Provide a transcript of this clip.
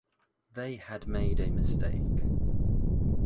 They had made a mistake